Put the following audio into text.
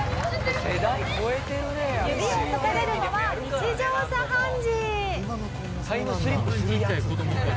指をさされるのは日常茶飯事。